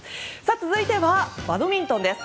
続いてはバドミントンです。